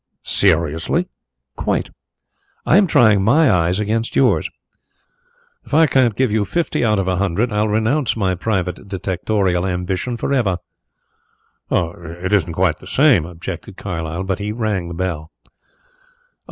"Seriously?" "Quite. I am trying my eyes against yours. If I can't give you fifty out of a hundred I'll renounce my private detectorial ambition for ever." "It isn't quite the same," objected Carlyle, but he rang the bell.